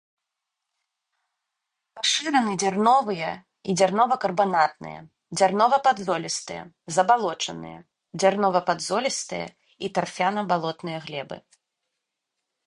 Пашыраны дзярновыя і дзярнова-карбанатныя, дзярнова-падзолістыя забалочаныя, дзярнова-падзолістыя і тарфяна-балотныя глебы.